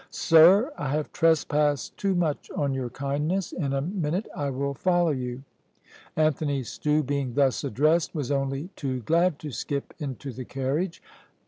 Sir, I have trespassed too much on your kindness; in a minute I will follow you." Anthony Stew, being thus addressed, was only too glad to skip into the carriage.